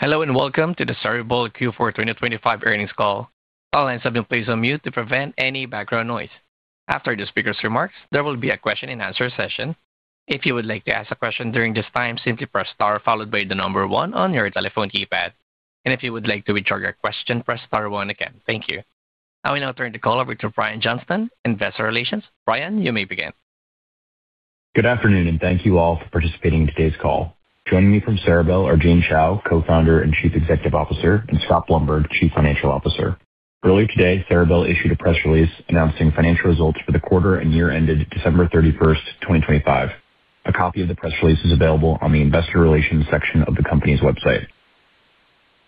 Hello, and welcome to the Ceribell Q4 2025 Earnings Call. All lines have been placed on mute to prevent any background noise. After the speaker's remarks, there will be a question-and-answer session. If you would like to ask a question during this time, simply press star followed by the number one on your telephone keypad. If you would like to withdraw your question, press star one again. Thank you. I will now turn the call over to Brian Johnston, Investor Relations. Brian, you may begin. Good afternoon, thank you all for participating in today's call. Joining me from Ceribell are Jane Chao, Co-founder and Chief Executive Officer, and Scott Blumberg, Chief Financial Officer. Earlier today, Ceribell issued a press release announcing financial results for the quarter and year ended December 31st, 2025. A copy of the press release is available on the Investor Relations section of the company's website.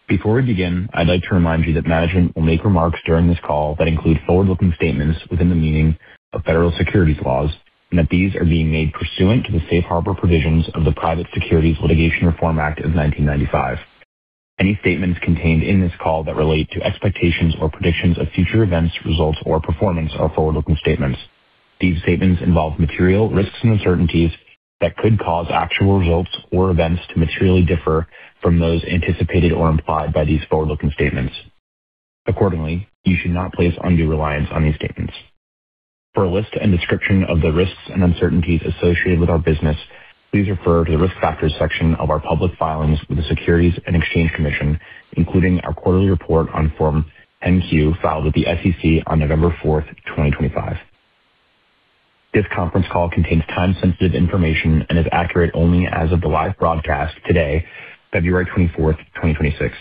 Before we begin, I'd like to remind you that management will make remarks during this call that include forward-looking statements within the meaning of federal securities laws, and that these are being made pursuant to the safe harbor provisions of the Private Securities Litigation Reform Act of 1995. Any statements contained in this call that relate to expectations or predictions of future events, results, or performance are forward-looking statements. These statements involve material risks and uncertainties that could cause actual results or events to materially differ from those anticipated or implied by these forward-looking statements. Accordingly, you should not place undue reliance on these statements. For a list and description of the risks and uncertainties associated with our business, please refer to the Risk Factors section of our public filings with the Securities and Exchange Commission, including our quarterly report on Form 10-Q, filed with the SEC on November 4th, 2025. This conference call contains time-sensitive information and is accurate only as of the live broadcast today, February 24th, 2026.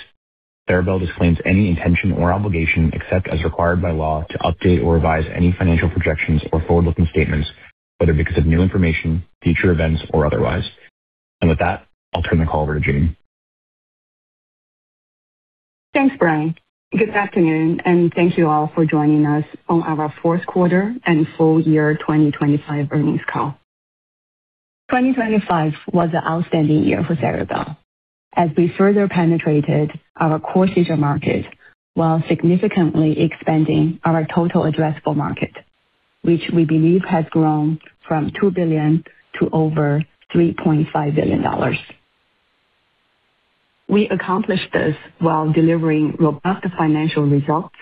Ceribell disclaims any intention or obligation, except as required by law, to update or revise any financial projections or forward-looking statements, whether because of new information, future events, or otherwise. With that, I'll turn the call over to Jane. Thanks, Brian. Good afternoon, thank you all for joining us on our fourth quarter and full year 2025 earnings call. 2025 was an outstanding year for Ceribell as we further penetrated our core seizure market while significantly expanding our total addressable market, which we believe has grown from $2 billion to over $3.5 billion. We accomplished this while delivering robust financial results,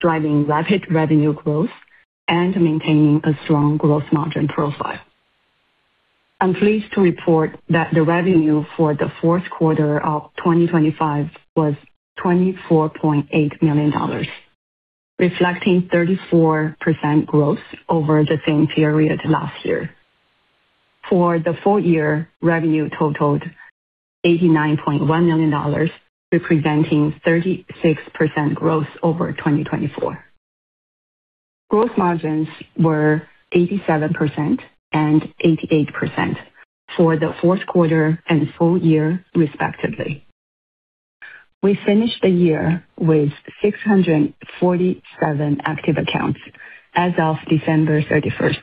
driving rapid revenue growth, and maintaining a strong growth margin profile. I'm pleased to report that the revenue for the fourth quarter of 2025 was $24.8 million, reflecting 34% growth over the same period last year. For the full year, revenue totaled $89.1 million, representing 36% growth over 2024. Growth margins were 87% and 88% for the fourth quarter and full year, respectively. We finished the year with 647 active accounts as of December 31st,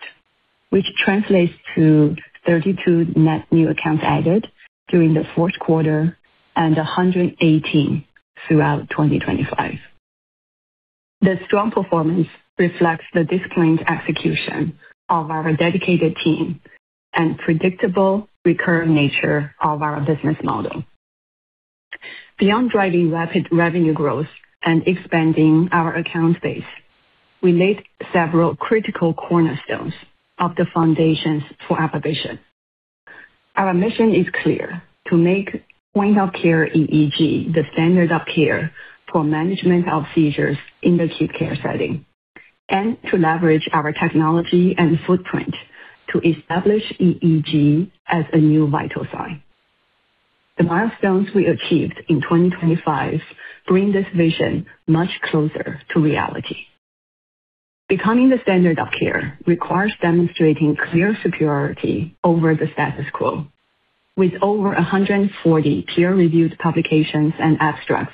which translates to 32 net new accounts added during the fourth quarter and 118 throughout 2025. The strong performance reflects the disciplined execution of our dedicated team and predictable recurring nature of our business model. Beyond driving rapid revenue growth and expanding our account base, we made several critical cornerstones of the foundations for our ambition. Our mission is clear: to make Point-of-Care EEG the standard of care for management of seizures in the acute care setting, and to leverage our technology and footprint to establish EEG as a new vital sign. The milestones we achieved in 2025 bring this vision much closer to reality. Becoming the standard of care requires demonstrating clear superiority over the status quo. With over 140 peer-reviewed publications and abstracts,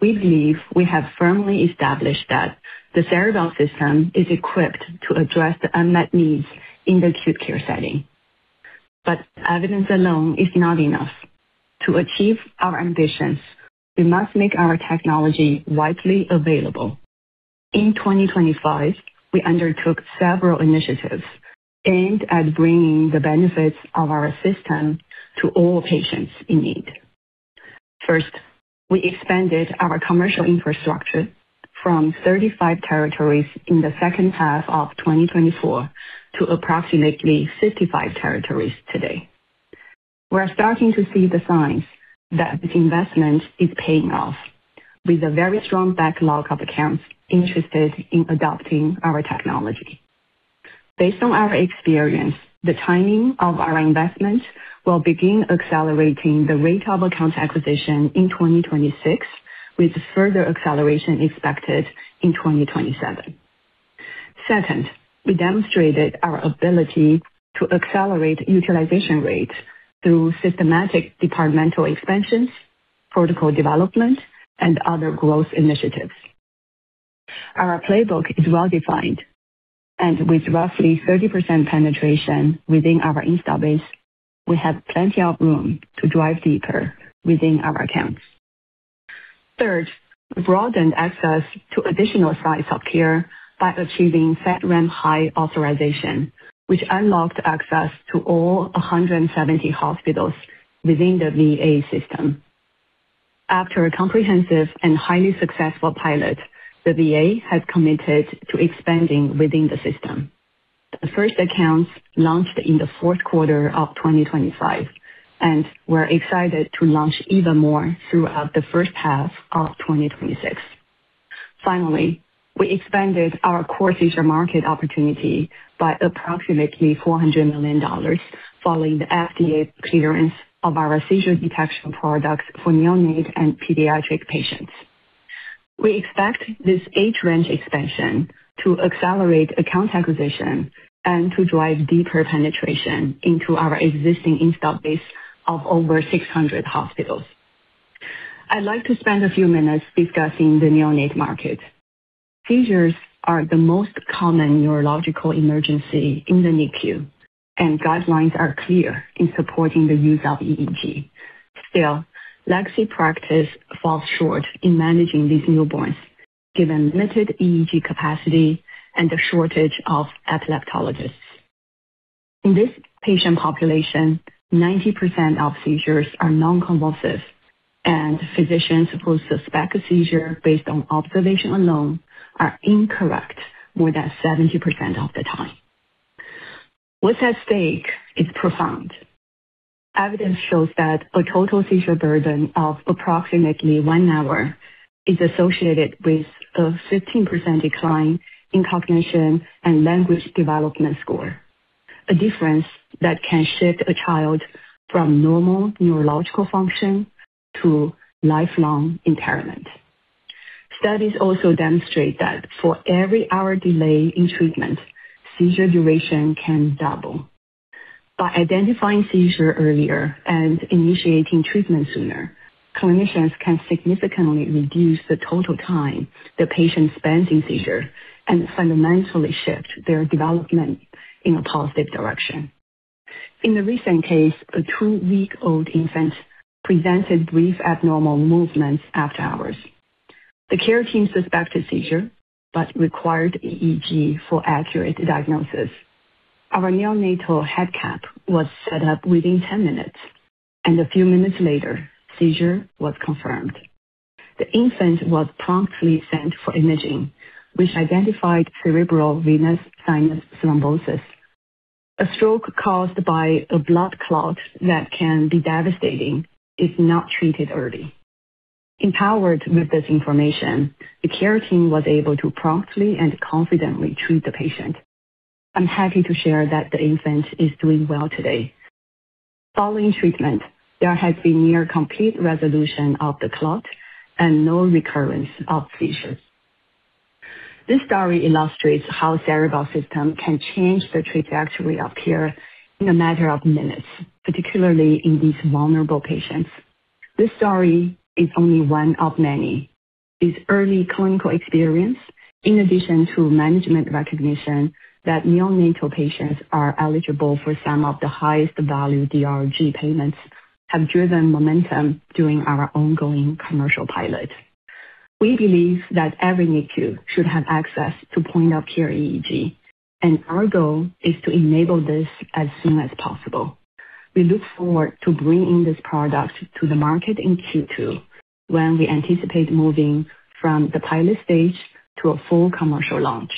we believe we have firmly established that the Ceribell System is equipped to address the unmet needs in the acute care setting. Evidence alone is not enough. To achieve our ambitions, we must make our technology widely available. In 2025, we undertook several initiatives aimed at bringing the benefits of our system to all patients in need. First, we expanded our commercial infrastructure from 35 territories in the second half of 2024 to approximately 55 territories today. We're starting to see the signs that this investment is paying off with a very strong backlog of accounts interested in adopting our technology. Based on our experience, the timing of our investment will begin accelerating the rate of account acquisition in 2026, with further acceleration expected in 2027. Second, we demonstrated our ability to accelerate utilization rates through systematic departmental expansions, protocol development, and other growth initiatives. Our playbook is well-defined, with roughly 30% penetration within our install base, we have plenty of room to drive deeper within our accounts. Third, we broadened access to additional sites of care by achieving FedRAMP High authorization, which unlocked access to all 170 hospitals within the VA system. After a comprehensive and highly successful pilot, the VA has committed to expanding within the system. The first accounts launched in the fourth quarter of 2025, we're excited to launch even more throughout the first half of 2026. Finally, we expanded our core seizure market opportunity by approximately $400 million, following the FDA clearance of our seizure detection products for neonate and pediatric patients. We expect this age range expansion to accelerate account acquisition and to drive deeper penetration into our existing installed base of over 600 hospitals. I'd like to spend a few minutes discussing the neonate market. Seizures are the most common neurological emergency in the NICU, and guidelines are clear in supporting the use of EEG. Still, legacy practice falls short in managing these newborns, given limited EEG capacity and a shortage of epileptologists. In this patient population, 90% of seizures are non-convulsive, and physicians who suspect a seizure based on observation alone are incorrect more than 70% of the time. What's at stake is profound. Evidence shows that a total seizure burden of approximately 1 hour is associated with a 15% decline in cognition and language development score, a difference that can shift a child from normal neurological function to lifelong impairment. Studies also demonstrate that for every hour delay in treatment, seizure duration can double. By identifying seizure earlier and initiating treatment sooner, clinicians can significantly reduce the total time the patient spends in seizure and fundamentally shift their development in a positive direction. In a recent case, a two-week-old infant presented brief abnormal movements after hours. The care team suspected seizure, but required EEG for accurate diagnosis. Our neonatal head cap was set up within 10 minutes, and a few minutes later, seizure was confirmed. The infant was promptly sent for imaging, which identified cerebral venous sinus thrombosis, a stroke caused by a blood clot that can be devastating if not treated early. Empowered with this information, the care team was able to promptly and confidently treat the patient. I'm happy to share that the infant is doing well today. Following treatment, there has been near complete resolution of the clot and no recurrence of seizures. This story illustrates how Ceribell System can change the trajectory of care in a matter of minutes, particularly in these vulnerable patients. This story is only one of many. This early clinical experience, in addition to management recognition that neonatal patients are eligible for some of the highest value DRG payments, have driven momentum during our ongoing commercial pilot. We believe that every NICU should have access to Point-of-Care EEG. Our goal is to enable this as soon as possible. We look forward to bringing this product to the market in Q2, when we anticipate moving from the pilot stage to a full commercial launch.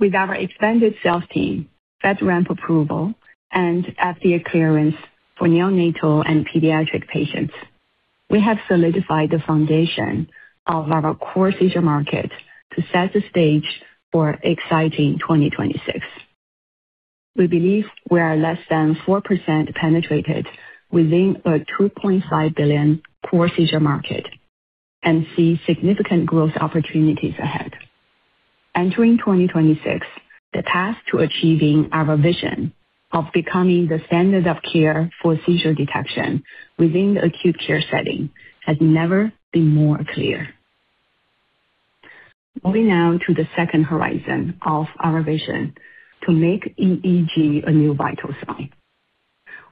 With our expanded sales team, FedRAMP approval, and FDA clearance for neonatal and pediatric patients, we have solidified the foundation of our core seizure market to set the stage for exciting 2026. We believe we are less than 4% penetrated within a $2.5 billion core seizure market and see significant growth opportunities ahead. Entering 2026, the path to achieving our vision of becoming the standard of care for seizure detection within the acute care setting has never been more clear. Moving now to the second horizon of our vision, to make EEG a new vital sign.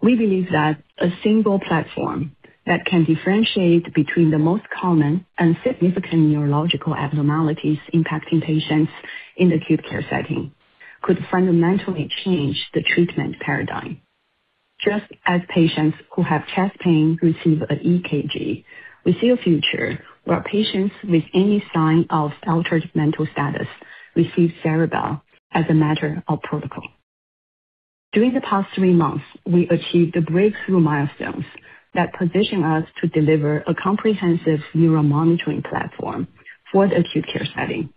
We believe that a single platform that can differentiate between the most common and significant neurological abnormalities impacting patients in acute care setting, could fundamentally change the treatment paradigm. Just as patients who have chest pain receive an EKG, we see a future where patients with any sign of altered mental status receive Ceribell as a matter of protocol. During the past 3 months, we achieved the breakthrough milestones that position us to deliver a comprehensive neural monitoring platform for the acute care setting.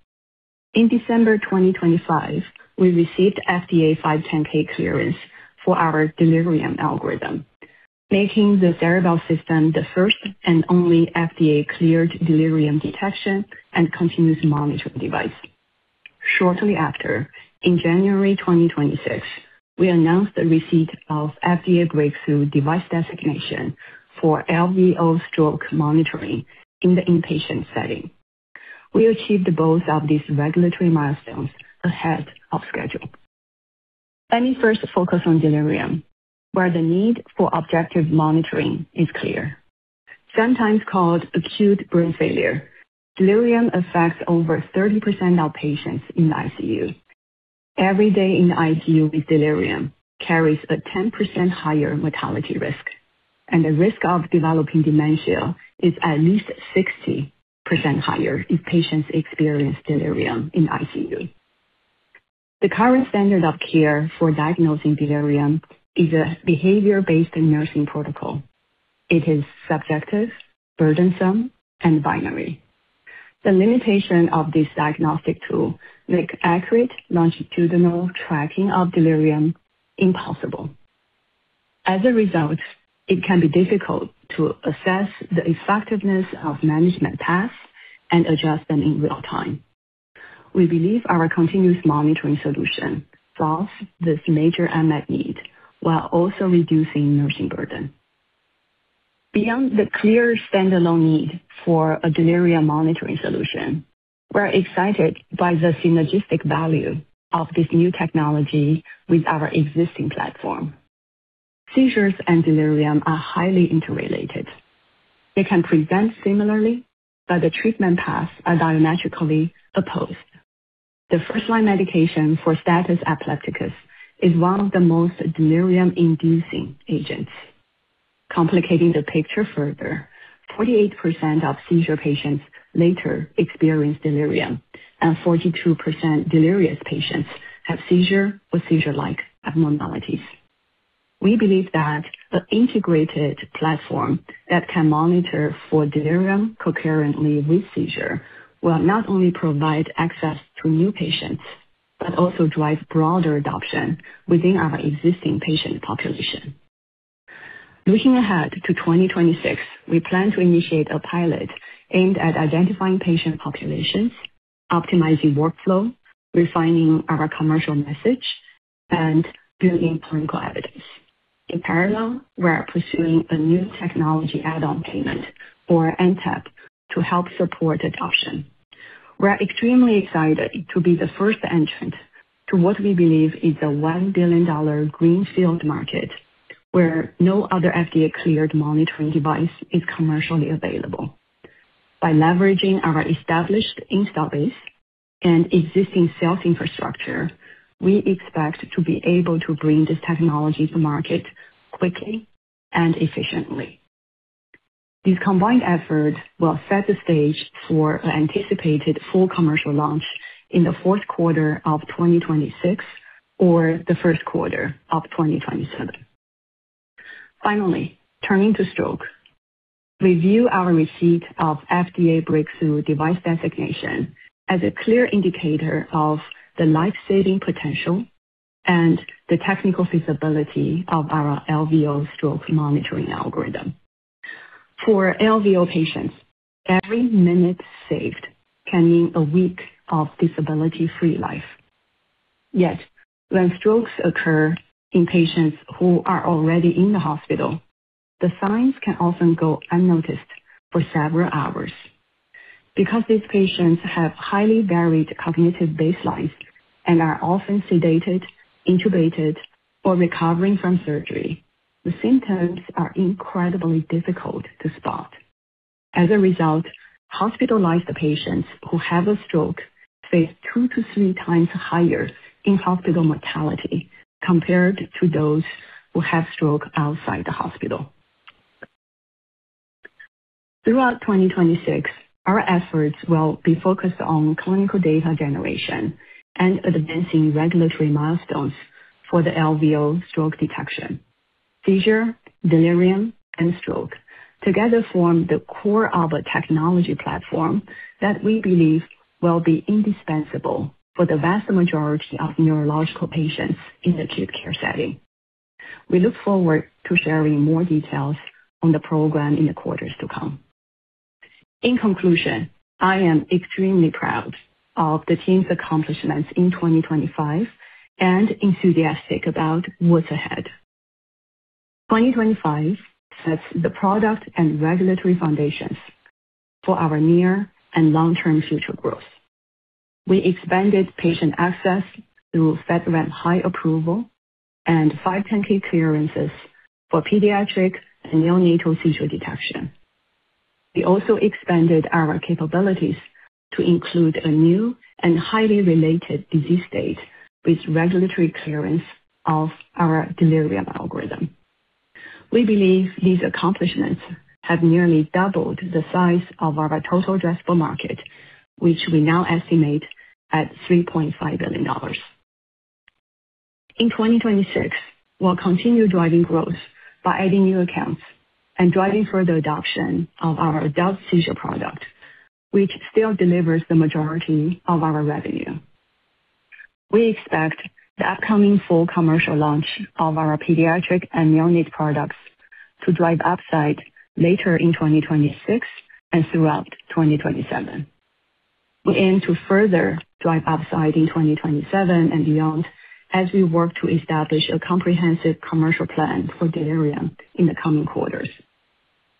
In December 2025, we received FDA 510(k) clearance for our delirium algorithm, making the Ceribell System the first and only FDA-cleared delirium detection and continuous monitoring device. Shortly after, in January 2026, we announced the receipt of FDA breakthrough device designation for LVO stroke monitoring in the inpatient setting. We achieved both of these regulatory milestones ahead of schedule. Let me first focus on delirium, where the need for objective monitoring is clear. Sometimes called acute brain failure, delirium affects over 30% of patients in the ICU. Every day in the ICU with delirium carries a 10% higher mortality risk. The risk of developing dementia is at least 60% higher if patients experience delirium in ICU. The current standard of care for diagnosing delirium is a behavior-based nursing protocol. It is subjective, burdensome, and binary. The limitation of this diagnostic tool make accurate longitudinal tracking of delirium impossible. As a result, it can be difficult to assess the effectiveness of management tasks and adjust them in real time. We believe our continuous monitoring solution solves this major unmet need while also reducing nursing burden. Beyond the clear standalone need for a delirium monitoring solution, we're excited by the synergistic value of this new technology with our existing platform. Seizures and delirium are highly interrelated. They can present similarly. The treatment paths are diametrically opposed. The first-line medication for status epilepticus is one of the most delirium-inducing agents. Complicating the picture further, 48% of seizure patients later experience delirium, and 42% delirious patients have seizure or seizure-like abnormalities. We believe that the integrated platform that can monitor for delirium concurrently with seizure will not only provide access to new patients, but also drive broader adoption within our existing patient population. Looking ahead to 2026, we plan to initiate a pilot aimed at identifying patient populations, optimizing workflow, refining our commercial message, and building clinical evidence. In parallel, we are pursuing a new technology add-on payment, or NTAP, to help support adoption. We are extremely excited to be the first entrant to what we believe is a $1 billion greenfield market, where no other FDA-cleared monitoring device is commercially available. By leveraging our established install base and existing sales infrastructure, we expect to be able to bring this technology to market quickly and efficiently. These combined efforts will set the stage for an anticipated full commercial launch in the fourth quarter of 2026 or the first quarter of 2027. Turning to stroke. We view our receipt of FDA breakthrough device designation as a clear indicator of the life-saving potential and the technical feasibility of our LVO stroke monitoring algorithm. For LVO patients, every minute saved can mean a week of disability-free life. When strokes occur in patients who are already in the hospital, the signs can often go unnoticed for several hours. These patients have highly varied cognitive baselines and are often sedated, intubated, or recovering from surgery, the symptoms are incredibly difficult to spot. As a result, hospitalized patients who have a stroke face two to three times higher in-hospital mortality compared to those who have stroke outside the hospital. Throughout 2026, our efforts will be focused on clinical data generation and advancing regulatory milestones for the LVO stroke detection. Seizure, delirium, and stroke together form the core of a technology platform that we believe will be indispensable for the vast majority of neurological patients in the acute care setting. We look forward to sharing more details on the program in the quarters to come. In conclusion, I am extremely proud of the team's accomplishments in 2025 and enthusiastic about what's ahead. 2025 sets the product and regulatory foundations for our near and long-term future growth. We expanded patient access through FedRAMP High approval and 510(k) clearances for pediatric and neonatal seizure detection. We also expanded our capabilities to include a new and highly related disease state with regulatory clearance of our delirium algorithm. We believe these accomplishments have nearly doubled the size of our total addressable market, which we now estimate at $3.5 billion. In 2026, we'll continue driving growth by adding new accounts and driving further adoption of our adult seizure product, which still delivers the majority of our revenue. We expect the upcoming full commercial launch of our pediatric and neonatal products to drive upside later in 2026 and throughout 2027. We aim to further drive upside in 2027 and beyond as we work to establish a comprehensive commercial plan for delirium in the coming quarters.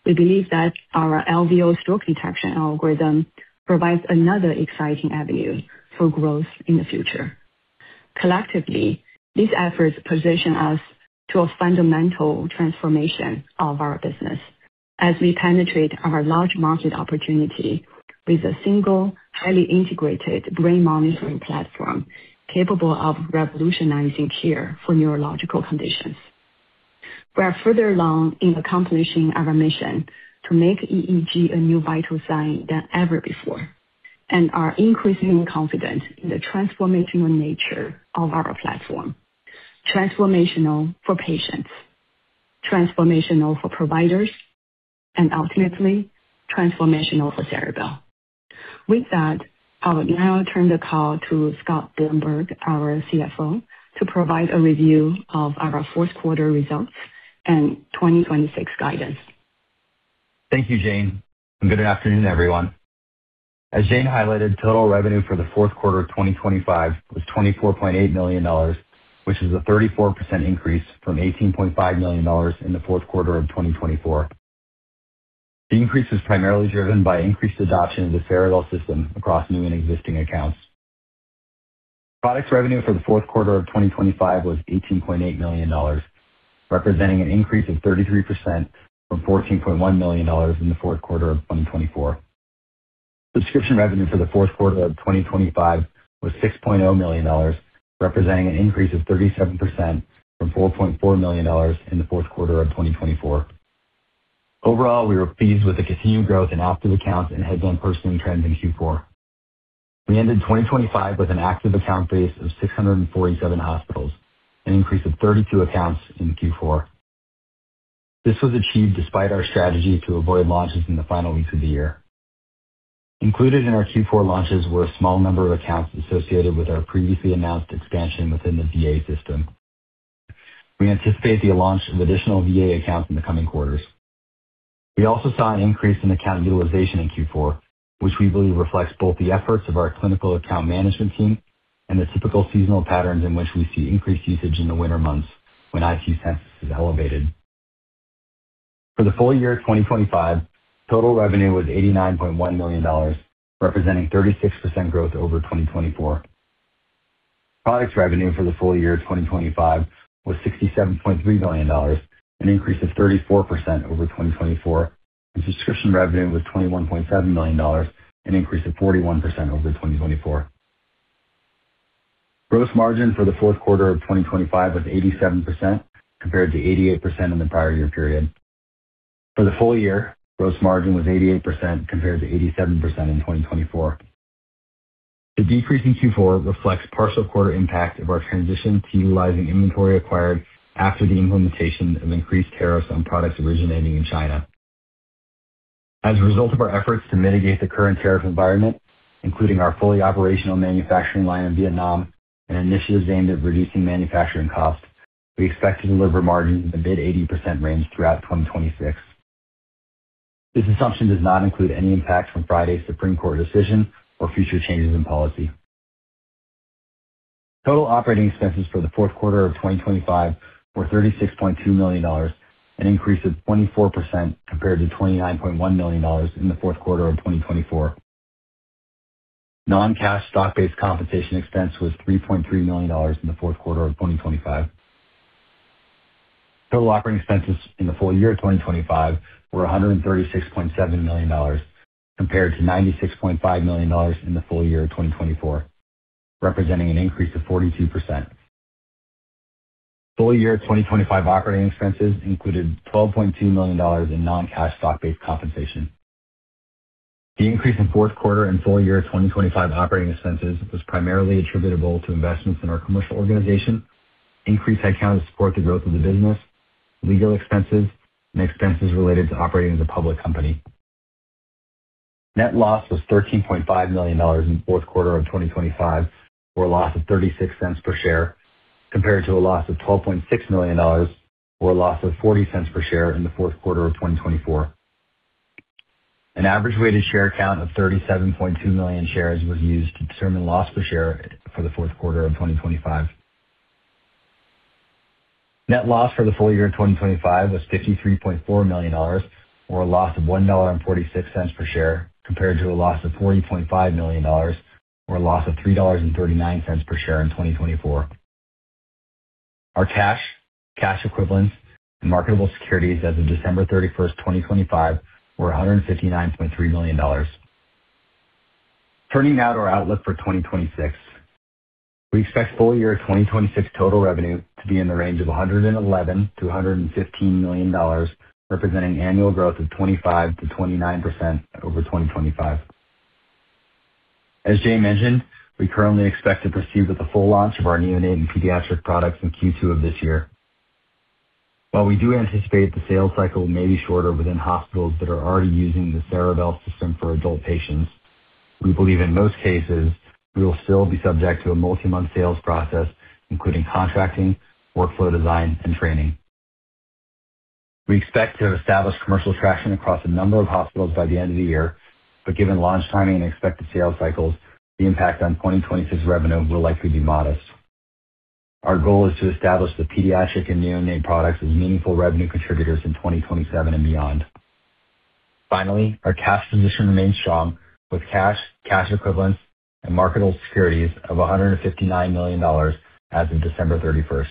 We believe that our LVO stroke detection algorithm provides another exciting avenue for growth in the future. Collectively, these efforts position us to a fundamental transformation of our business as we penetrate our large market opportunity with a single, highly integrated brain monitoring platform capable of revolutionizing care for neurological conditions. We are further along in accomplishing our mission to make EEG a new vital sign than ever before, and are increasingly confident in the transformational nature of our platform. Transformational for patients, transformational for providers, and ultimately, transformational for Ceribell. With that, I will now turn the call to Scott Blumberg, our CFO, to provide a review of our fourth quarter results and 2026 guidance. Thank you, Jane. Good afternoon, everyone. As Jane highlighted, total revenue for the fourth quarter of 2025 was $24.8 million, which is a 34% increase from $18.5 million in the fourth quarter of 2024. The increase was primarily driven by increased adoption of the Ceribell System across new and existing accounts. Products revenue for the fourth quarter of 2025 was $18.8 million, representing an increase of 33% from $14.1 million in the fourth quarter of 2024. Subscription revenue for the fourth quarter of 2025 was $6.0 million, representing an increase of 37% from $4.4 million in the fourth quarter of 2024. Overall, we were pleased with the continued growth in active accounts and headband purchasing trends in Q4. We ended 2025 with an active account base of 647 hospitals, an increase of 32 accounts in Q4. This was achieved despite our strategy to avoid launches in the final weeks of the year. Included in our Q4 launches were a small number of accounts associated with our previously announced expansion within the VA system. We anticipate the launch of additional VA accounts in the coming quarters. We also saw an increase in account utilization in Q4, which we believe reflects both the efforts of our clinical account management team and the typical seasonal patterns in which we see increased usage in the winter months when ICU census is elevated. For the full year 2025, total revenue was $89.1 million, representing 36% growth over 2024. Products revenue for the full year 2025 was $67.3 million, an increase of 34% over 2024, and subscription revenue was $21.7 million, an increase of 41% over 2024. Gross margin for the fourth quarter of 2025 was 87%, compared to 88% in the prior year period. For the full year, gross margin was 88%, compared to 87% in 2024. The decrease in Q4 reflects partial quarter impact of our transition to utilizing inventory acquired after the implementation of increased tariffs on products originating in China. As a result of our efforts to mitigate the current tariff environment, including our fully operational manufacturing line in Vietnam and initiatives aimed at reducing manufacturing costs, we expect to deliver margin in the mid-80% range throughout 2026. This assumption does not include any impact from Friday's Supreme Court decision or future changes in policy. Total operating expenses for the fourth quarter of 2025 were $36.2 million, an increase of 24% compared to $29.1 million in the fourth quarter of 2024. Non-cash stock-based compensation expense was $3.3 million in the fourth quarter of 2025. Total operating expenses in the full year of 2025 were $136.7 million, compared to $96.5 million in the full year of 2024, representing an increase of 42%. Full year 2025 operating expenses included $12.2 million in non-cash stock-based compensation. The increase in fourth quarter and full year 2025 operating expenses was primarily attributable to investments in our commercial organization, increased head count to support the growth of the business, legal expenses, and expenses related to operating as a public company. Net loss was $13.5 million in the fourth quarter of 2025, or a loss of $0.36 per share, compared to a loss of $12.6 million, or a loss of $0.40 per share in the fourth quarter of 2024. An average weighted share count of 37.2 million shares was used to determine loss per share for the fourth quarter of 2025. Net loss for the full year of 2025 was $53.4 million, or a loss of $1.46 per share, compared to a loss of $40.5 million, or a loss of $3.39 per share in 2024. Our cash equivalents, and marketable securities as of December 31st, 2025, were $159.3 million. Turning now to our outlook for 2026. We expect full year 2026 total revenue to be in the range of $111 million-$115 million, representing annual growth of 25%-29% over 2025. As Jane mentioned, we currently expect to proceed with the full launch of our neonate and pediatric products in Q2 of this year. While we do anticipate the sales cycle may be shorter within hospitals that are already using the Ceribell System for adult patients, we believe in most cases, we will still be subject to a multi-month sales process, including contracting, workflow design, and training. Given launch timing and expected sales cycles, the impact on 2026 revenue will likely be modest. Our goal is to establish the pediatric and neonate products as meaningful revenue contributors in 2027 and beyond. Finally, our cash position remains strong, with cash equivalents, and marketable securities of $159 million as of December 31st.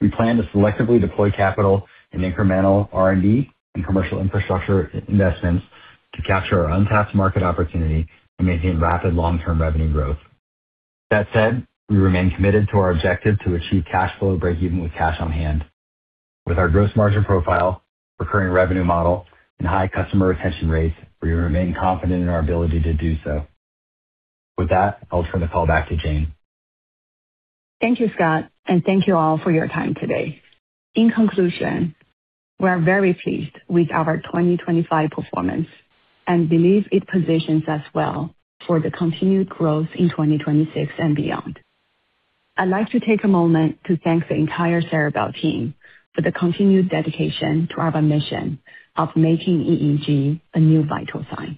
We plan to selectively deploy capital in incremental R&D and commercial infrastructure investments to capture our untapped market opportunity and maintain rapid long-term revenue growth. That said, we remain committed to our objective to achieve cash flow breakeven with cash on hand. With our gross margin profile, recurring revenue model, and high customer retention rates, we remain confident in our ability to do so. With that, I'll turn the call back to Jane. Thank you, Scott, and thank you all for your time today. In conclusion, we are very pleased with our 2025 performance and believe it positions us well for the continued growth in 2026 and beyond. I'd like to take a moment to thank the entire Ceribell team for the continued dedication to our mission of making EEG a new vital sign.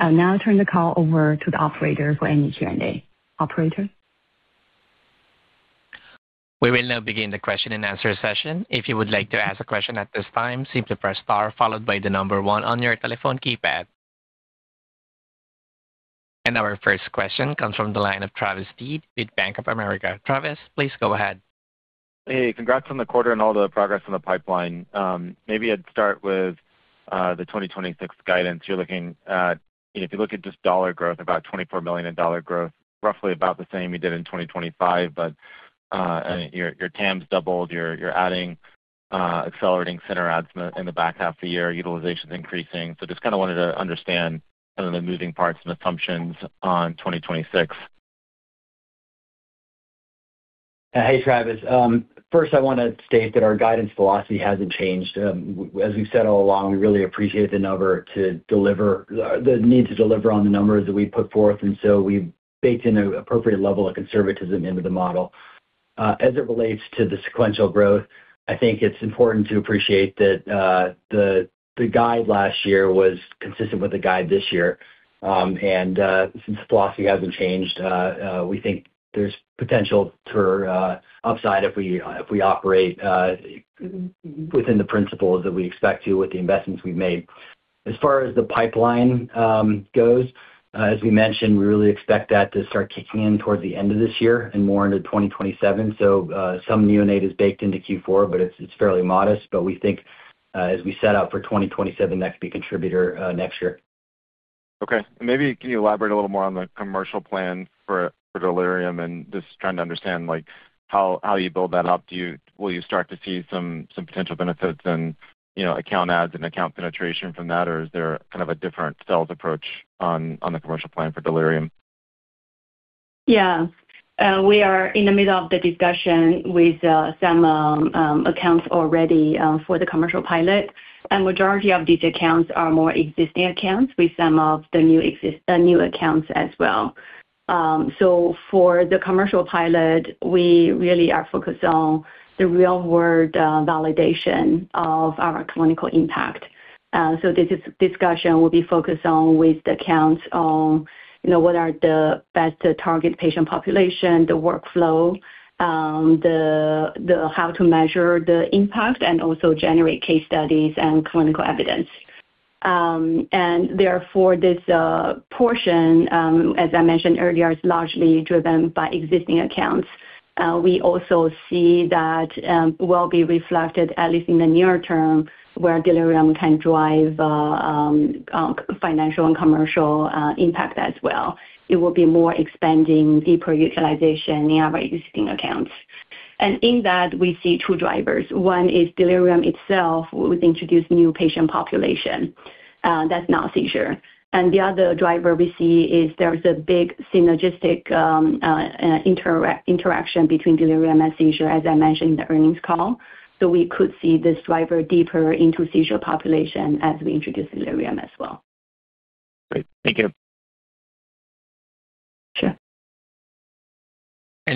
I'll now turn the call over to the operator for any Q&A. Operator? We will now begin the question-and-answer session. If you would like to ask a question at this time, simply press star followed by the number one on your telephone keypad. Our first question comes from the line of Travis Steed with Bank of America. Travis, please go ahead. Hey, congrats on the quarter and all the progress in the pipeline. Maybe I'd start with the 2026 guidance. You're looking, if you look at just dollar growth, about $24 million in dollar growth, roughly about the same you did in 2025. Your TAM's doubled, you're adding accelerating center adds in the back half of the year, utilization's increasing. Just kind of wanted to understand kind of the moving parts and assumptions on 2026. Hey, Travis. First, I want to state that our guidance philosophy hasn't changed. As we've said all along, we really appreciate the need to deliver on the numbers that we put forth, and so we've baked in an appropriate level of conservatism into the model. As it relates to the sequential growth, I think it's important to appreciate that the guide last year was consistent with the guide this year. Since the philosophy hasn't changed, we think there's potential for upside if we, if we operate within the principles that we expect to with the investments we've made. As far as the pipeline goes, as we mentioned, we really expect that to start kicking in toward the end of this year and more into 2027. Some neonate is baked into Q4, but it's fairly modest. We think, as we set out for 2027, that's be a contributor, next year. Okay. Maybe can you elaborate a little more on the commercial plan for delirium? Just trying to understand, like, how you build that up. Will you start to see some potential benefits and, you know, account adds and account penetration from that? Is there kind of a different sales approach on the commercial plan for delirium? Yeah. We are in the middle of the discussion with some accounts already for the commercial pilot. Majority of these accounts are more existing accounts, with some of the new accounts as well. For the commercial pilot, we really are focused on the real-world validation of our clinical impact. This discussion will be focused on, with the accounts on, you know, what are the best target patient population, the workflow, the how to measure the impact, and also generate case studies and clinical evidence. Therefore, this portion, as I mentioned earlier, is largely driven by existing accounts. We also see that will be reflected, at least in the near term, where delirium can drive financial and commercial impact as well. It will be more expanding deeper utilization in our existing accounts. In that, we see two drivers. One is delirium itself, which introduce new patient population, that's not seizure. The other driver we see is there's a big synergistic, interaction between delirium and seizure, as I mentioned in the earnings call. We could see this driver deeper into seizure population as we introduce delirium as well. Great. Thank you. Sure.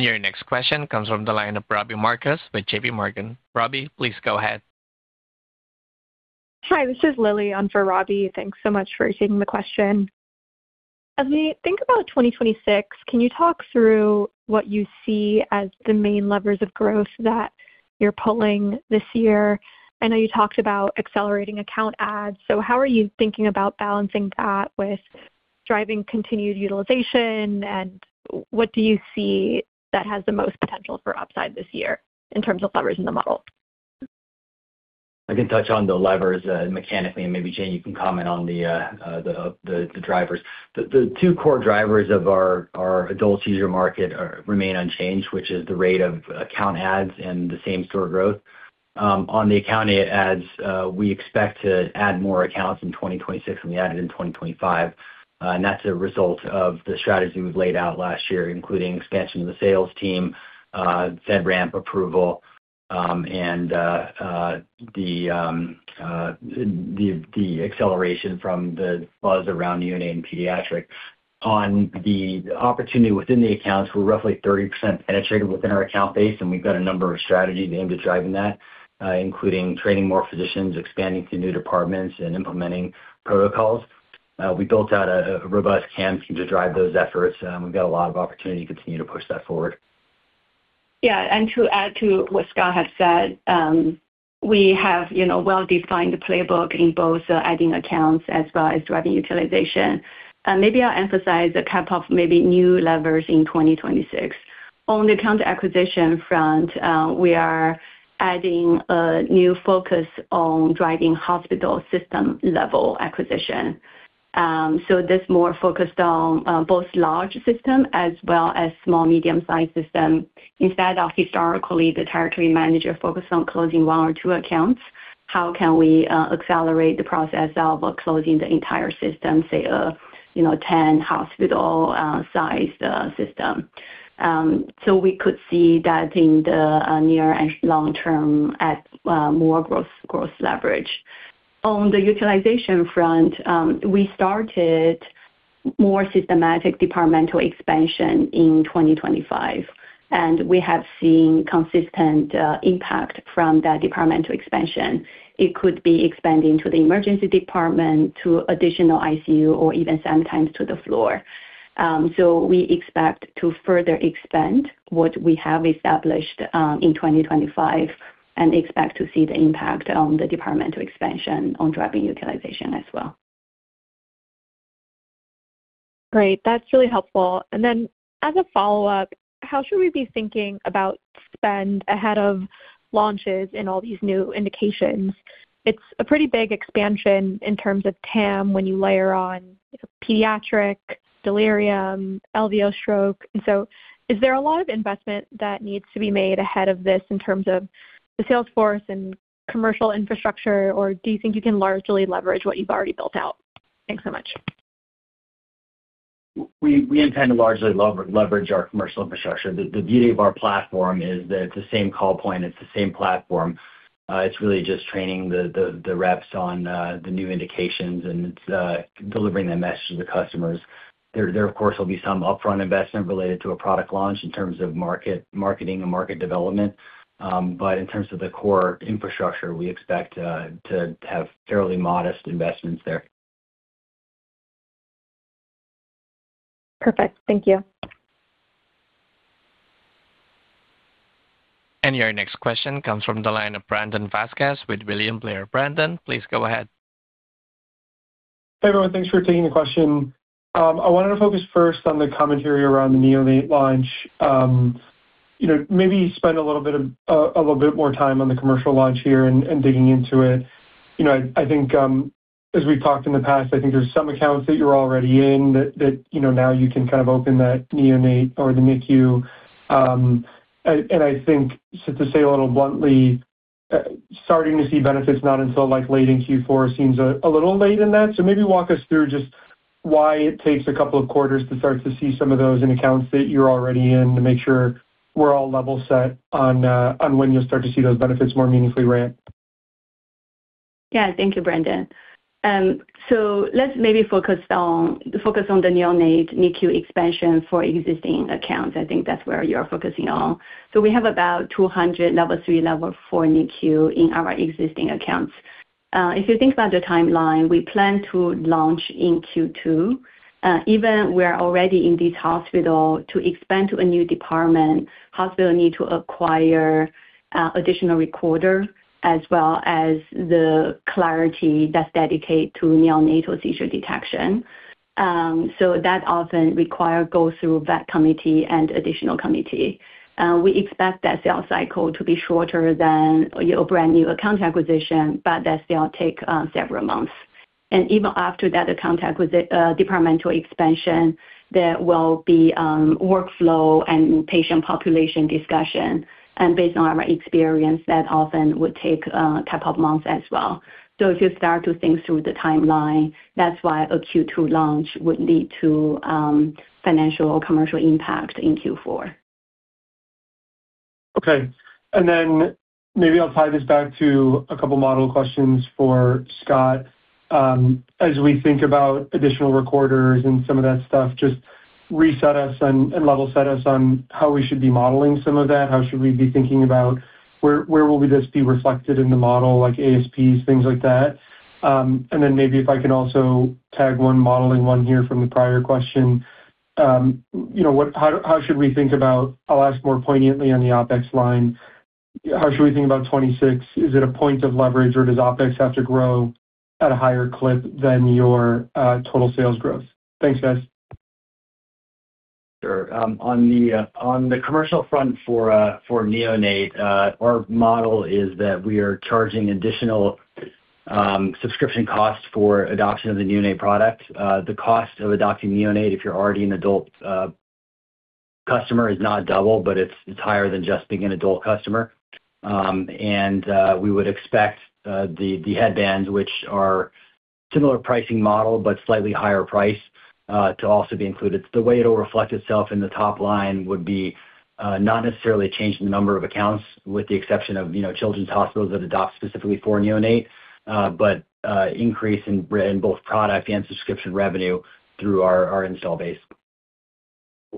Your next question comes from the line of Robbie Marcus with JPMorgan. Robbie, please go ahead. Hi, this is Lily on for Robbie. Thanks so much for taking the question. As we think about 2026, can you talk through what you see as the main levers of growth that you're pulling this year? I know you talked about accelerating account adds, so how are you thinking about balancing that with driving continued utilization? What do you see that has the most potential for upside this year in terms of levers in the model? I can touch on the levers, mechanically, and maybe, Jane, you can comment on the drivers. The two core drivers of our adult seizure market remain unchanged, which is the rate of account adds and the same-store growth. On the account adds, we expect to add more accounts in 2026 than we added in 2025, and that's a result of the strategy we've laid out last year, including expansion of the sales team, FedRAMP approval, and the acceleration from the buzz around neonate and pediatric. On the opportunity within the accounts, we're roughly 30% penetrated within our account base, and we've got a number of strategies aimed at driving that, including training more physicians, expanding to new departments, and implementing protocols. We built out a robust TAM team to drive those efforts, and we've got a lot of opportunity to continue to push that forward. Yeah, to add to what Scott has said, we have, you know, well-defined playbook in both adding accounts as well as driving utilization. Maybe I'll emphasize a couple of maybe new levers in 2026. On the account acquisition front, we are adding a new focus on driving hospital system-level acquisition. This more focused on both large system as well as small, medium-sized system. Instead of historically, the territory manager focused on closing one or two accounts, how can we accelerate the process of closing the entire system, say, a, you know, 10 hospital size system? We could see that in the near and long term at more growth leverage. On the utilization front, we started more systematic departmental expansion in 2025, and we have seen consistent impact from that departmental expansion. It could be expanding to the emergency department, to additional ICU, or even sometimes to the floor. We expect to further expand what we have established in 2025 and expect to see the impact on the departmental expansion on driving utilization as well. Great. That's really helpful. As a follow-up, how should we be thinking about spend ahead of launches in all these new indications? It's a pretty big expansion in terms of TAM when you layer on pediatric, delirium, LVO stroke. Is there a lot of investment that needs to be made ahead of this in terms of the sales force and commercial infrastructure, or do you think you can largely leverage what you've already built out? Thanks so much. We intend to largely leverage our commercial infrastructure. The beauty of our platform is that it's the same call point, it's the same platform. It's really just training the reps on the new indications, and it's delivering the message to the customers. There, of course, will be some upfront investment related to a product launch in terms of marketing and market development. But in terms of the core infrastructure, we expect to have fairly modest investments there. Perfect. Thank you. Your next question comes from the line of Brandon Vazquez with William Blair. Brandon, please go ahead. Hey, everyone, thanks for taking the question. I wanted to focus first on the commentary around the neonate launch. You know, maybe spend a little bit of a little bit more time on the commercial launch here and digging into it. You know, I think, as we've talked in the past, I think there's some accounts that you're already in that, you know, now you can kind of open that neonate or the NICU. And I think, to say a little bluntly, starting to see benefits not until like late in Q4 seems a little late in that. Maybe walk us through just why it takes a couple of quarters to start to see some of those in accounts that you're already in, to make sure we're all level set on when you'll start to see those benefits more meaningfully ramp. Yeah. Thank you, Brandon. Let's maybe focus on the neonate NICU expansion for existing accounts. I think that's where you're focusing on. We have about 200 level 3, level 4 NICU in our existing accounts. If you think about the timeline, we plan to launch in Q2. Even we're already in this hospital, to expand to a new department, hospital need to acquire additional recorder, as well as the Clarity that's dedicated to neonatal seizure detection. That often require go through that committee and additional committee. We expect that sales cycle to be shorter than your brand new account acquisition, that still take several months. Even after that departmental expansion, there will be workflow and patient population discussion. Based on our experience, that often would take a couple of months as well. If you start to think through the timeline, that's why a Q2 launch would lead to financial or commercial impact in Q4. Maybe I'll tie this back to a couple model questions for Scott. As we think about additional recorders and some of that stuff, just reset us and level set us on how we should be modeling some of that. How should we be thinking about where will this be reflected in the model, like ASPs, things like that? Maybe if I can also tag one modeling one here from the prior question. You know, how should we think about... I'll ask more poignantly on the OpEx line. How should we think about 2026? Is it a point of leverage, or does OpEx have to grow at a higher clip than your total sales growth? Thanks, guys. Sure. On the commercial front for neonate, our model is that we are charging additional subscription costs for adoption of the neonate product. The cost of adopting neonate, if you're already an adult customer, is not double, but it's higher than just being an adult customer. We would expect the headbands, which are similar pricing model but slightly higher price, to also be included. The way it'll reflect itself in the top line would be, not necessarily changing the number of accounts, with the exception of, you know, children's hospitals that adopt specifically for neonate, but increase in both product and subscription revenue through our install base.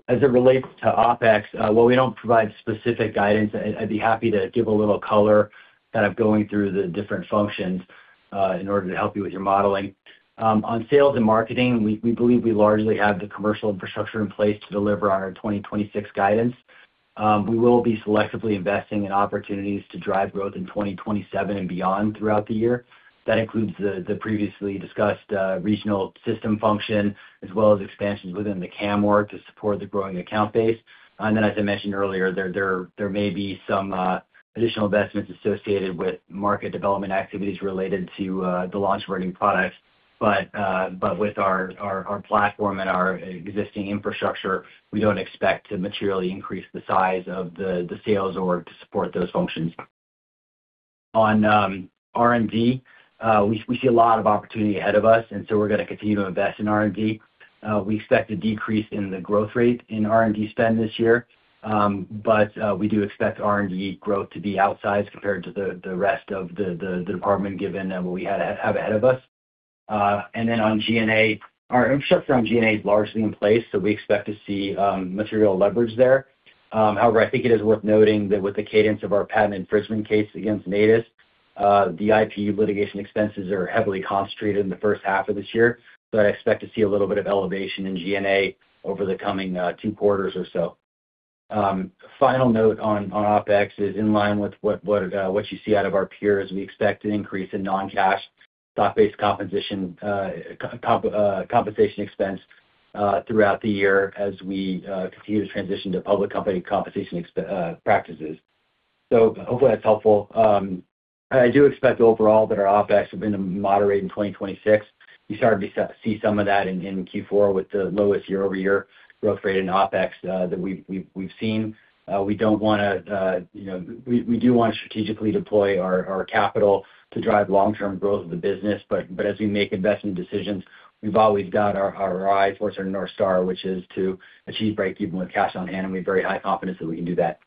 As it relates to OpEx, while we don't provide specific guidance, I'd be happy to give a little color, kind of, going through the different functions, in order to help you with your modeling. On sales and marketing, we believe we largely have the commercial infrastructure in place to deliver on our 2026 guidance. We will be selectively investing in opportunities to drive growth in 2027 and beyond throughout the year. That includes the previously discussed regional system function, as well as expansions within the CAM work to support the growing account base. As I mentioned earlier, there may be some additional investments associated with market development activities related to the launch of our new products. With our platform and our existing infrastructure, we don't expect to materially increase the size of the sales org to support those functions. On R&D, we see a lot of opportunity ahead of us, so we're gonna continue to invest in R&D. We expect a decrease in the growth rate in R&D spend this year, but we do expect R&D growth to be outsized compared to the rest of the department, given what we have ahead of us. Then on G&A, our infrastructure on G&A is largely in place, so we expect to see material leverage there. However, I think it is worth noting that with the cadence of our patent infringement case against Natus, the IP litigation expenses are heavily concentrated in the first half of this year, I expect to see a little bit of elevation in G&A over the coming two quarters or so. Final note on OpEx is in line with what you see out of our peers. We expect an increase in non-cash stock-based compensation compensation expense throughout the year as we continue to transition to public company compensation practices. Hopefully that's helpful. I do expect overall that our OpEx have been moderating in 2026. You started to see some of that in Q4 with the lowest year-over-year growth rate in OpEx that we've seen. We don't wanna, you know, we do want to strategically deploy our capital to drive long-term growth of the business, but as we make investment decisions, we've always got our eyes towards our North Star, which is to achieve breakeven with cash on hand, and we have very high confidence that we can do that.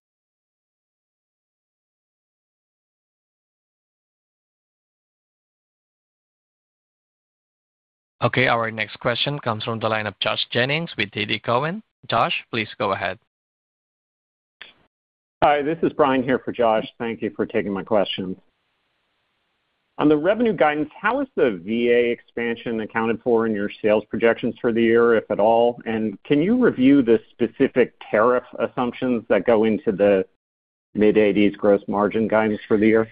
Okay, our next question comes from the line of Josh Jennings with TD Cowen. Josh, please go ahead. Hi, this is Brian here for Josh. Thank you for taking my question. On the revenue guidance, how is the VA expansion accounted for in your sales projections for the year, if at all? Can you review the specific tariff assumptions that go into the mid-eighties gross margin guidance for the year?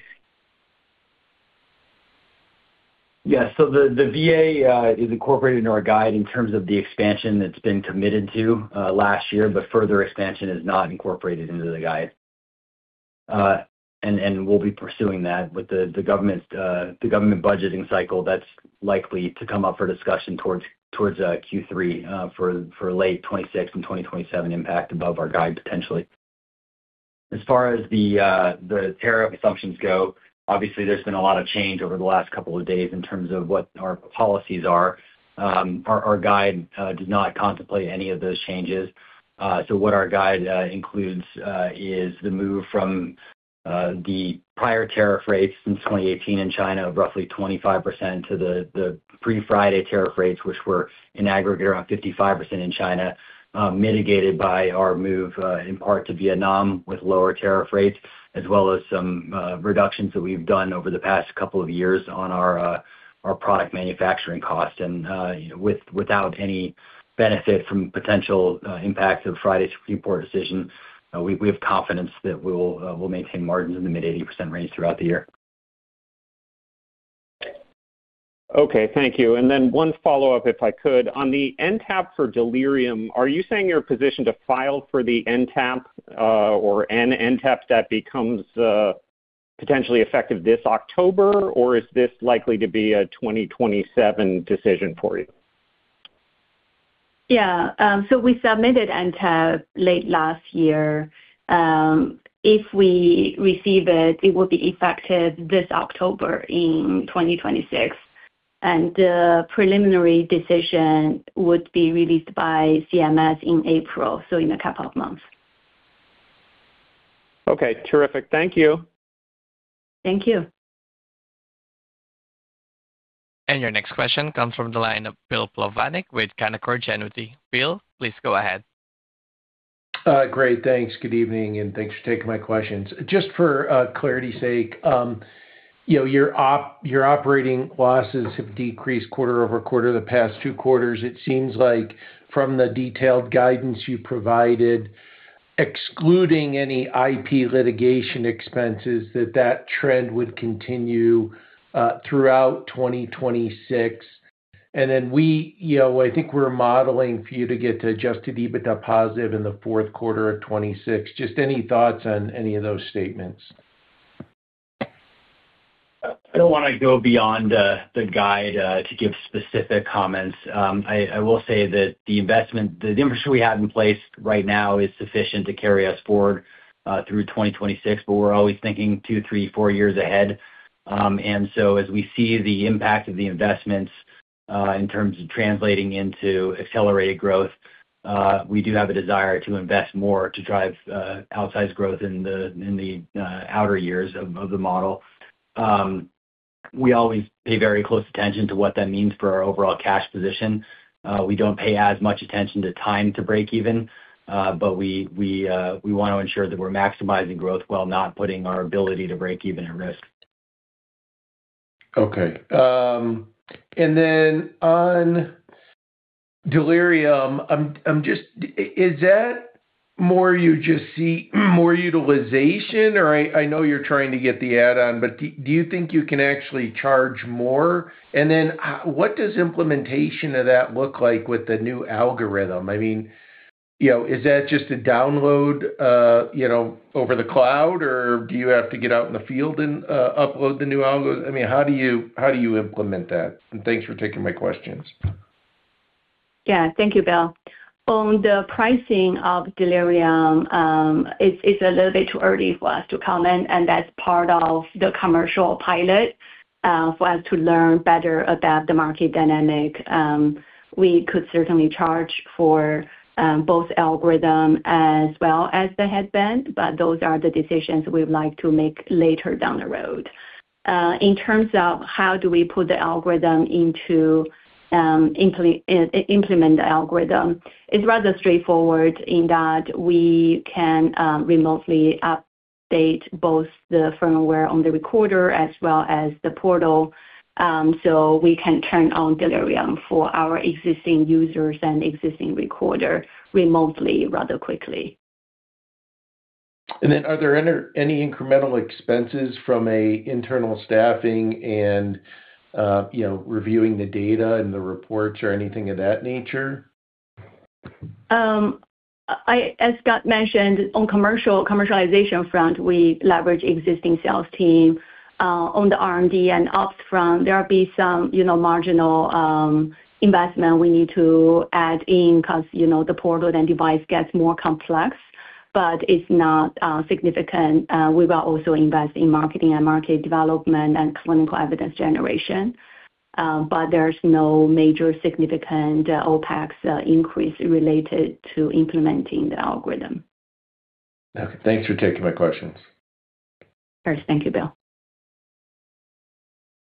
Yeah. The VA is incorporated into our guide in terms of the expansion that's been committed to last year, but further expansion is not incorporated into the guide. We'll be pursuing that. With the government's, the government budgeting cycle, that's likely to come up for discussion towards Q3 for late 2026 and 2027 impact above our guide, potentially. As far as the tariff assumptions go, obviously, there's been a lot of change over the last couple of days in terms of what our policies are. Our guide does not contemplate any of those changes. What our guide includes is the move from the prior tariff rates since 2018 in China of roughly 25% to the pre-Friday tariff rates, which were in aggregate, around 55% in China, mitigated by our move in part to Vietnam, with lower tariff rates, as well as some reductions that we've done over the past couple of years on our product manufacturing cost. You know, without any benefit from potential impacts of Friday's import decision, we have confidence that we'll maintain margins in the mid-80% range throughout the year. Okay, thank you. One follow-up, if I could. On the NTAP for delirium, are you saying you're positioned to file for the NTAP, or an NTAP that becomes potentially effective this October, or is this likely to be a 2027 decision for you? Yeah, we submitted NTAP late last year. If we receive it will be effective this October, in 2026, the preliminary decision would be released by CMS in April, in a couple of months. Okay, terrific. Thank you. Thank you. Your next question comes from the line of Bill Plovanic with Canaccord Genuity. Bill, please go ahead. Great. Thanks. Good evening, and thanks for taking my questions. Just for clarity's sake, you know, your operating losses have decreased quarter-over-quarter the past two quarters. It seems like from the detailed guidance you provided, excluding any IP litigation expenses, that that trend would continue throughout 2026. We, you know, I think we're modeling for you to get to adjusted EBITDA positive in the fourth quarter of 2026. Just any thoughts on any of those statements? I don't want to go beyond the guide to give specific comments. I will say that the investment, the infrastructure we have in place right now is sufficient to carry us forward through 2026, but we're always thinking two, three, four years ahead. As we see the impact of the investments in terms of translating into accelerated growth, we do have a desire to invest more to drive outsized growth in the, in the outer years of the model. We always pay very close attention to what that means for our overall cash position. We don't pay as much attention to time to break even, but we want to ensure that we're maximizing growth while not putting our ability to break even at risk. Okay. On Delirium, is that more you just see more utilization? I know you're trying to get the add-on, but do you think you can actually charge more? What does implementation of that look like with the new algorithm? I mean, you know, is that just a download, you know, over the cloud, or do you have to get out in the field and upload the new algo? I mean, how do you, how do you implement that? Thanks for taking my questions. Yeah. Thank you, Bill. On the pricing of Delirium, it's a little bit too early for us to comment. That's part of the commercial pilot for us to learn better about the market dynamic. We could certainly charge for both algorithm as well as the headband. Those are the decisions we'd like to make later down the road. In terms of how do we put the algorithm into implement the algorithm, it's rather straightforward in that we can remotely update both the firmware on the recorder as well as the portal. We can turn on Delirium for our existing users and existing recorder remotely, rather quickly. Are there any incremental expenses from a internal staffing and, you know, reviewing the data and the reports or anything of that nature? As Scott mentioned, on commercialization front, we leverage existing sales team, on the R&D and upfront, there will be some, you know, marginal investment we need to add in, 'cause you know, the portal and device gets more complex, but it's not significant. We will also invest in marketing and market development and clinical evidence generation, but there's no major significant OpEx increase related to implementing the algorithm. Okay. Thanks for taking my questions. Thanks. Thank you, Bill.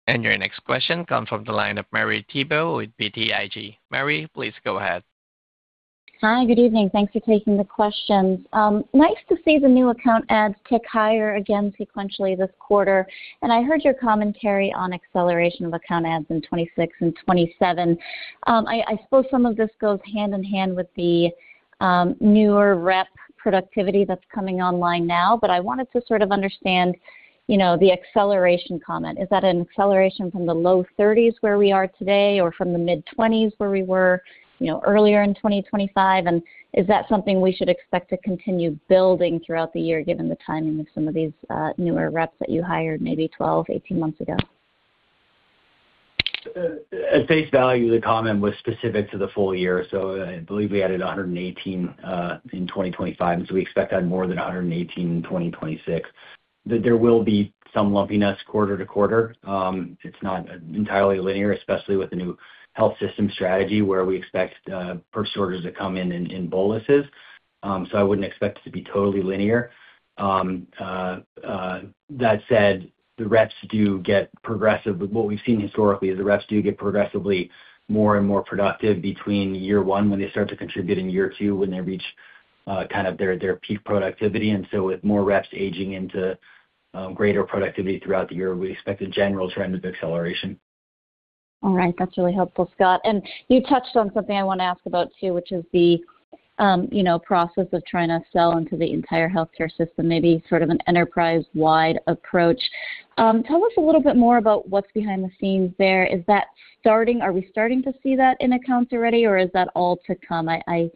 Your next question comes from the line of Marie Thibault with BTIG. Marie, please go ahead. Hi, good evening. Thanks for taking the questions. nice to see the new account adds tick higher again sequentially this quarter. I heard your commentary on acceleration of account adds in 2026 and 2027. I suppose some of this goes hand in hand with the newer rep productivity that's coming online now, but I wanted to sort of understand, you know, the acceleration comment. Is that an acceleration from the low 30s, where we are today, or from the mid-20s, where we were, you know, earlier in 2025? Is that something we should expect to continue building throughout the year, given the timing of some of these newer reps that you hired maybe 12, 18 months ago? At face value, the comment was specific to the full year, I believe we added 118 in 2025, we expect to add more than 118 in 2026. There will be some lumpiness quarter to quarter. It's not entirely linear, especially with the new health system strategy, where we expect purchase orders to come in in boluses. I wouldn't expect it to be totally linear. That said, the reps do get progressive. What we've seen historically is the reps do get progressively more and more productive between year one, when they start to contribute, and year two, when they reach kind of their peak productivity. With more reps aging into greater productivity throughout the year, we expect a general trend of acceleration. All right. That's really helpful, Scott. You touched on something I want to ask about too, which is the, you know, process of trying to sell into the entire healthcare system, maybe sort of an enterprise-wide approach. Tell us a little bit more about what's behind the scenes there. Are we starting to see that in accounts already, or is that all to come? I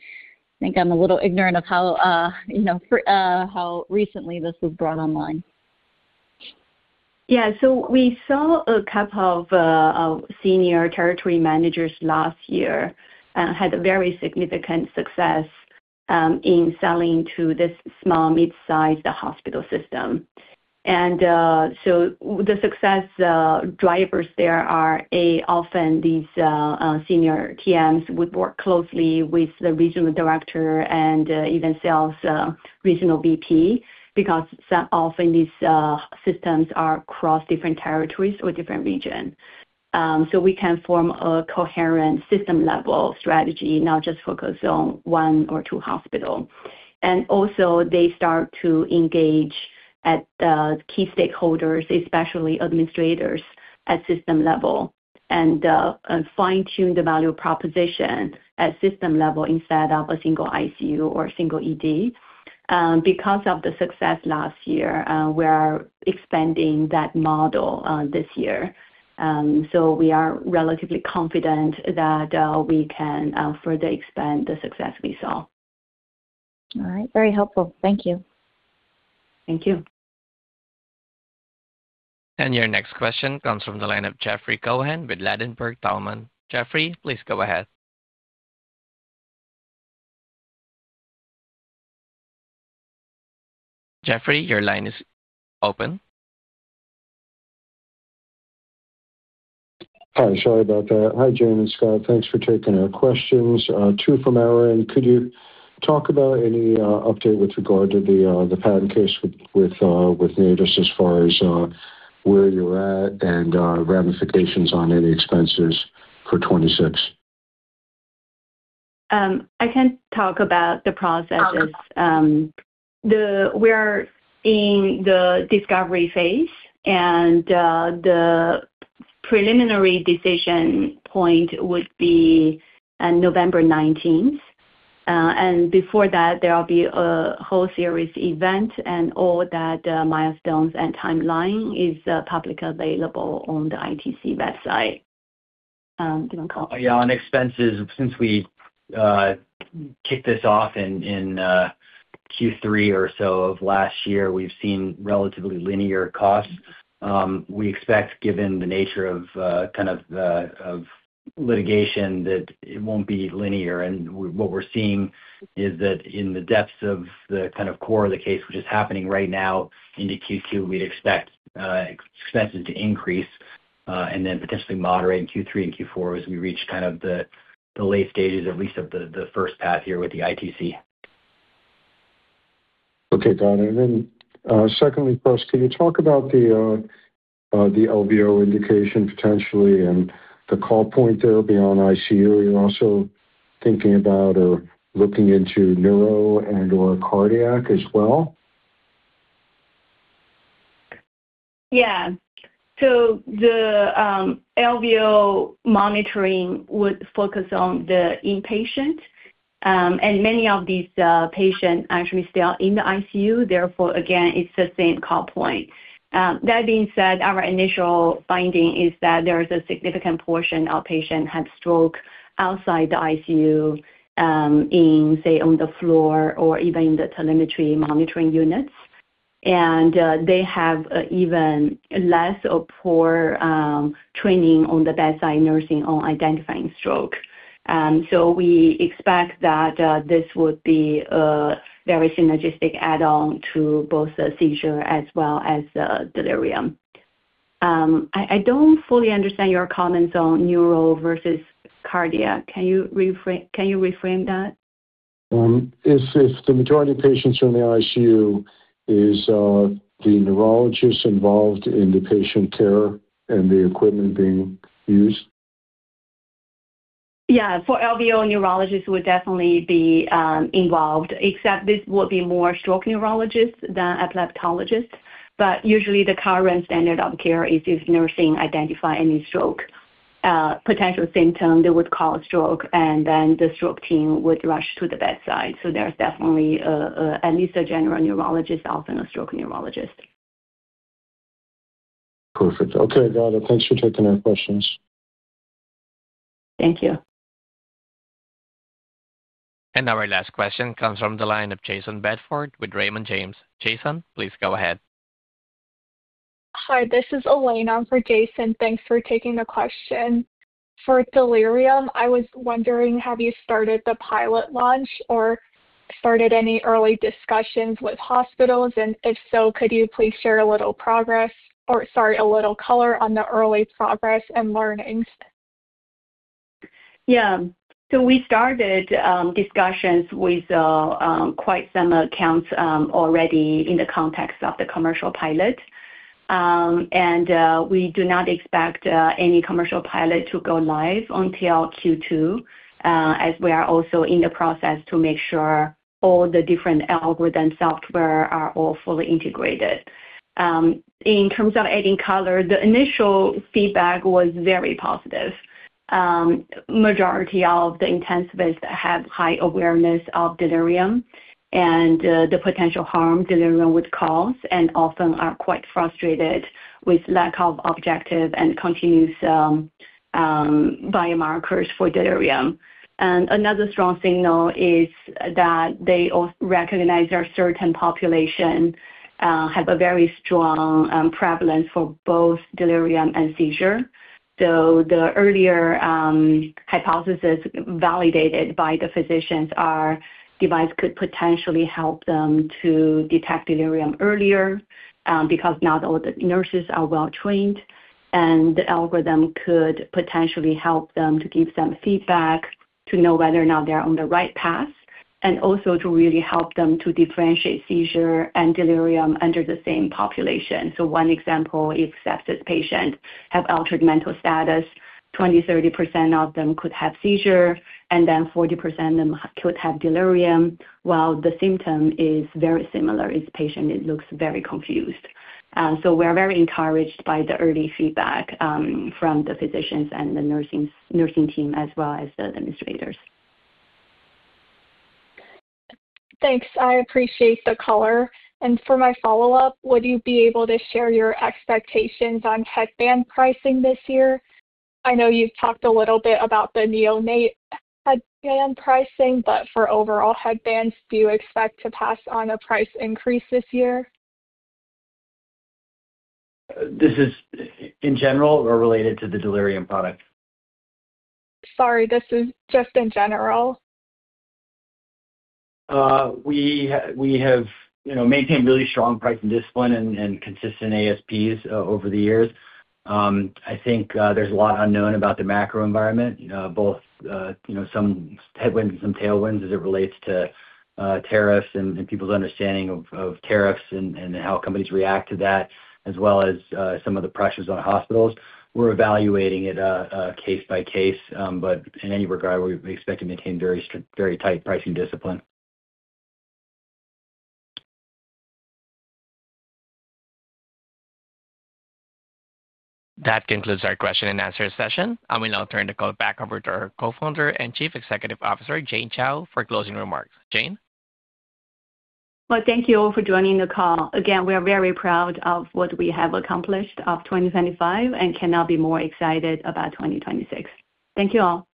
think I'm a little ignorant of how, you know, how recently this was brought online. Yeah. We saw two of senior territory managers last year had a very significant success in selling to this small, mid-sized hospital system. The success drivers there are often these senior TMs would work closely with the regional director and even sales regional VP, because often these systems are across different territories or different region. We can form a coherent system-level strategy, not just focus on one or two hospital. Also, they start to engage at key stakeholders, especially administrators at system level, and fine-tune the value proposition at system level instead of one single ICU or one single ED. Because of the success last year, we are expanding that model this year. We are relatively confident that we can further expand the success we saw. All right. Very helpful. Thank you. Thank you. Your next question comes from the line of Jeffrey Cohen with Ladenburg Thalmann. Jeffrey, please go ahead. Jeffrey, your line is open. Hi, sorry about that. Hi, Jane and Scott. Thanks for taking our questions. Two from our end. Could you talk about any update with regard to the patent case with Natus as far as where you're at and ramifications on any expenses for 2026? I can talk about the processes. We're in the discovery phase, and the preliminary decision point would be on November 19th. Before that, there will be a whole series event, and all that milestones and timeline is publicly available on the ITC website. Do you want to call... On expenses, since we kicked this off in Q3 or so of last year, we've seen relatively linear costs. We expect, given the nature of kind of the litigation, that it won't be linear. What we're seeing is that in the depths of the kind of core of the case, which is happening right now into Q2, we'd expect expenses to increase and then potentially moderate in Q3 and Q4 as we reach kind of the late stages, at least of the first path here with the ITC. Okay, got it. Then, secondly, first, can you talk about the LVO indication potentially and the call point there beyond ICU? Are you also thinking about or looking into neuro and/or cardiac as well? Yeah. The LVO monitoring would focus on the inpatient, and many of these patients actually still in the ICU. Therefore, again, it's the same call point. That being said, our initial finding is that there is a significant portion of patients have stroke outside the ICU, in, say, on the floor or even in the telemetry monitoring units. They have even less or poor training on the bedside nursing on identifying stroke. We expect that this would be a very synergistic add-on to both the seizure as well as delirium. I don't fully understand your comments on neural versus cardiac. Can you reframe that? If the majority of patients are in the ICU, is the neurologist involved in the patient care and the equipment being used? For LVO, neurologists would definitely be involved, except this would be more stroke neurologists than epileptologists. Usually the current standard of care is if nursing identify any stroke potential symptom, they would call a stroke, and then the stroke team would rush to the bedside. There's definitely at least a general neurologist, often a stroke neurologist. Perfect. Okay, got it. Thanks for taking our questions. Thank you. Our last question comes from the line of Jayson Bedford with Raymond James. Jayson, please go ahead. Hi, this is Elena for Jayson. Thanks for taking the question. For delirium, I was wondering, have you started the pilot launch or started any early discussions with hospitals? If so, could you please share a little progress, or, sorry, a little color on the early progress and learnings? Yeah. We started discussions with quite some accounts already in the context of the commercial pilot. We do not expect any commercial pilot to go live until Q2, as we are also in the process to make sure all the different algorithm software are all fully integrated. In terms of adding color, the initial feedback was very positive. Majority of the intensivists have high awareness of delirium and the potential harm delirium would cause and often are quite frustrated with lack of objective and continuous biomarkers for delirium. Another strong signal is that they also recognize there are certain population have a very strong prevalence for both delirium and seizure. The earlier hypothesis validated by the physicians, our device could potentially help them to detect delirium earlier because not all the nurses are well trained, and the algorithm could potentially help them to give some feedback to know whether or not they're on the right path, and also to really help them to differentiate seizure and delirium under the same population. One example is, sepsis patients have altered mental status. 20%, 30% of them could have seizure, and then 40% of them could have delirium, while the symptom is very similar, is patient, it looks very confused. We're very encouraged by the early feedback from the physicians and the nursing team, as well as the administrators. Thanks. I appreciate the color. For my follow-up, would you be able to share your expectations on headband pricing this year? I know you've talked a little bit about the neonate headband pricing, but for overall headbands, do you expect to pass on a price increase this year? This is in general or related to the delirium product? Sorry, this is just in general. We have, you know, maintained really strong pricing discipline and consistent ASPs over the years. I think there's a lot unknown about the macro environment, both, you know, some headwinds and some tailwinds as it relates to tariffs and people's understanding of tariffs and how companies react to that, as well as some of the pressures on hospitals. We're evaluating it case by case, but in any regard, we expect to maintain very strict, very tight pricing discipline. That concludes our question and answer session. I will now turn the call back over to our Co-founder and Chief Executive Officer, Jane Chao, for closing remarks. Jane? Well, thank you all for joining the call. We are very proud of what we have accomplished of 2025 and cannot be more excited about 2026. Thank you all.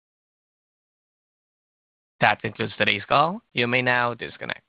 That concludes today's call. You may now disconnect.